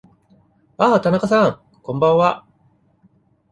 ああ、田中さん、こんばんは。